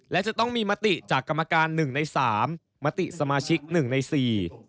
และจะต้องมีมติจากกรรมการ๑ใน๓มติสมาชิก๑ใน๔